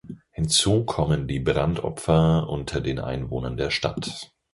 Hinzu kommen die Brandopfer unter den Einwohnern der Stadt.